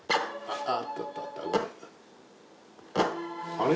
あれ？